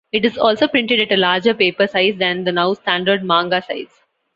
It is also printed at a larger paper size than the now-standard manga size.